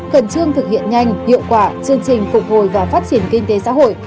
cần trương thực hiện nhanh hiệu quả chương trình phục hồi và phát triển kinh tế xã hội